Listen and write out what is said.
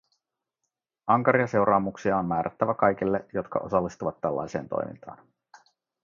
Ankaria seuraamuksia on määrättävä kaikille, jotka osallistuvat tällaiseen toimintaan.